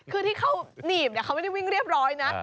คือที่เขาหนีบเขาไม่ได้วิ่งเรียบร้อยนะ